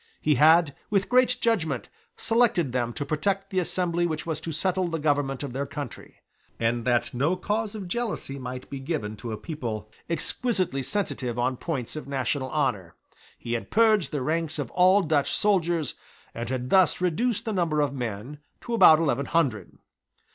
He had, with great judgment, selected them to protect the assembly which was to settle the government of their country; and, that no cause of jealousy might be given to a people exquisitely sensitive on points of national honour, he had purged the ranks of all Dutch soldiers, and had thus reduced the number of men to about eleven hundred.